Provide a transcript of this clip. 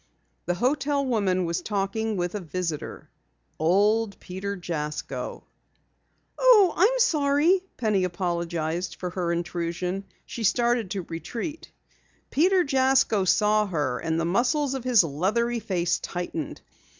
The hotel woman was talking with a visitor, old Peter Jasko. "Oh, I'm sorry," Penny apologized for her intrusion. She started to retreat. Peter Jasko saw her and the muscles of his leathery face tightened.